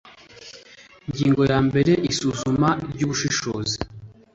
ingingo ya mbere isuzuma ry ubushobozi